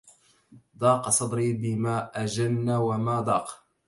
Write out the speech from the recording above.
ضاق صدري بما أجن وما ضاق